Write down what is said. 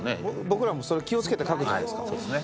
僕らもそれ気を付けて書くじゃないですか。